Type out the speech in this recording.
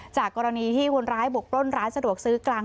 จากกรณีที่คนร้ายบุกปล้นร้านสะดวกซื้อกลาง